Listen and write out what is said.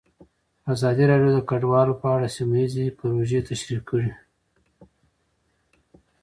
ازادي راډیو د کډوال په اړه سیمه ییزې پروژې تشریح کړې.